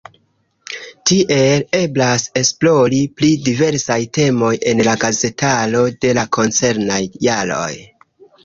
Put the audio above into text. Tiel eblas esplori pri diversaj temoj en la gazetaro de la koncernaj jaroj.